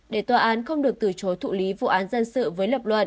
để tòa án không được từ chối thụ lý vụ án dân sự với lập luận